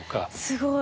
すごい。